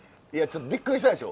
びっくりしたでしょ？